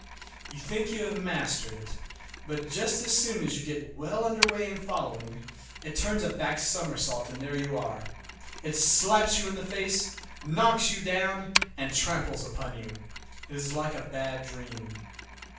You think you have mastered it, but just as you get well under way in following, it turns a back somersault and there you are. It slaps you in the face, knocks you down, and tramples upon you. It is like a bad dream.